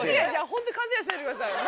ホントに勘違いしないでください。